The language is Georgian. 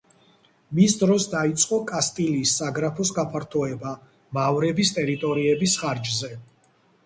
მის დროს დაიწყო კასტილიის საგრაფოს გაფართოება მავრების ტერიტორიების ხარჯზე.